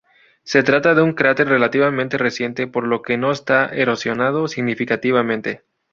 Se trata de un cráter relativamente reciente, por lo que no está erosionado significativamente.